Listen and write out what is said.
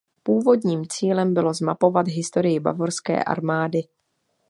Původním cílem bylo zmapovat historii bavorské armády.